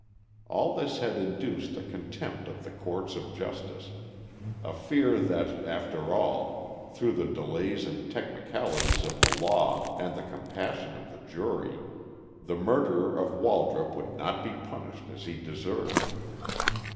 All this had induced a contempt of the courts of justice a fear that, after all, through the delays and technicalities of the law and the compassion of the jury, the murderer of Waldrop would not be punished as he deserved.